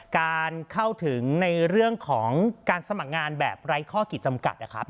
การเข้าถึงในเรื่องของการสมัครงานแบบไร้ข้อกิจจำกัดนะครับ